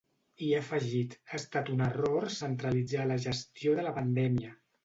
I ha afegit: Ha estat un error centralitzar la gestió de la pandèmia.